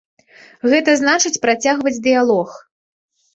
Гэта значыць, працягваць дыялог.